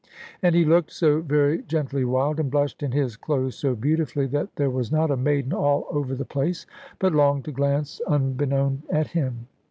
And he looked so very gently wild, and blushed in his clothes so beautifully, that there was not a maiden all over the place but longed to glance, unbeknown, at him.